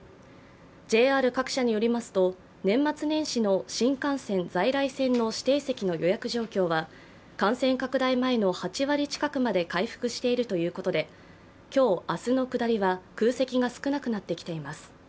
ＪＲ各社によりますと年末年始の新幹線、在来線の指定席の予約状況は感染拡大前の８割近くまで回復しているということで今日、明日の下りは空席が少なくなってきています。